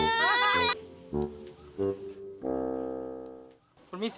bisa mami jual lagi nih